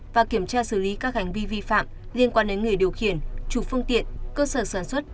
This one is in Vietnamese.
và kiểm tra xử lý các hành vi vi phạm liên quan đến người điều khiển chủ phương tiện cơ sở sản xuất